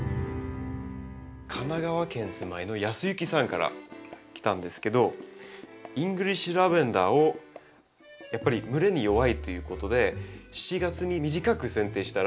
神奈川県お住まいのヤスユキさんから来たんですけどイングリッシュラベンダーをやっぱり蒸れに弱いということでというお悩みなんですけど。